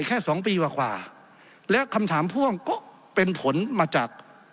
แค่๒ปีมากว่าและคำถามพ่วงก็เป็นผลมาจาก